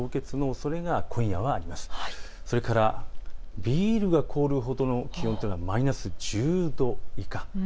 それからビールが凍るほどの気温というのはマイナス１０度以下。